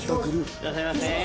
いらっしゃいませ。